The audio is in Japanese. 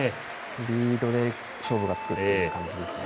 リードで勝負がつくっていう感じですね。